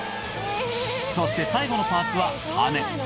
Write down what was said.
そして最後のパーツは、羽根。